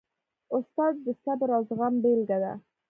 استاد د صبر او زغم بېلګه ده.